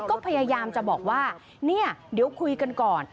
ก็พยายามจะบอกว่าเนี่ยเดี๋ยวคุยกันก่อน